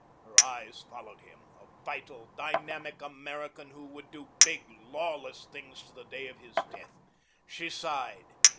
Her eyes followed him, a vital, dynamic American who would do big, lawless things to the day of his death. She sighed.